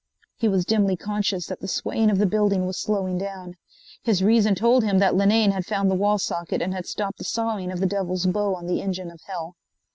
He was dimly conscious that the swaying of the building was slowing down. His reason told him that Linane had found the wall socket and had stopped the sawing of the devil's bow on the engine of hell.